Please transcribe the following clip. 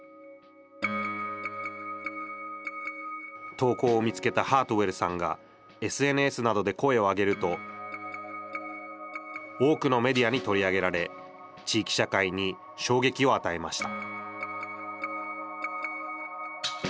投稿を見つけたハートウェルさんがＳＮＳなどで声をあげると多くのメディアに取り上げられ地域社会に衝撃を与えました。